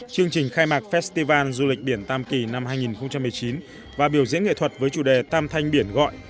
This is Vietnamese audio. chương trình khai mạc festival du lịch biển tam kỳ năm hai nghìn một mươi chín và biểu diễn nghệ thuật với chủ đề tam thanh biển gọi